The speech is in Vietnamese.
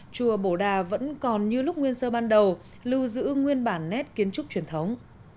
chùa bổ đà vẫn còn như lúc nguyên sơ ban đầu lưu giữ nguyên bản nét kiến trúc truyền thống